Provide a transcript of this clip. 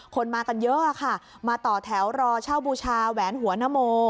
มากันเยอะค่ะมาต่อแถวรอเช่าบูชาแหวนหัวนโม